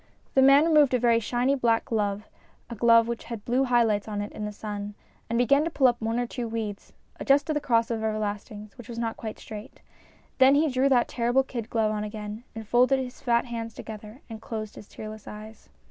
The man removed a very shiny black glove, a glove which had blue high lights on it in the sun, and began to pull up one or two weeds, adjusted the cross of everlastings, which was not quite straight. Then he drew that terrible kid glove on again and folded his fat hands together and closed his tearless eyes.